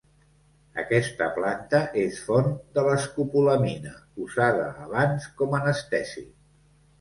Aquesta planta és font de l'escopolamina, usada abans com anestèsic.